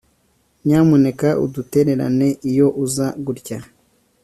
Nyamuneka udutererane iyo uza gutya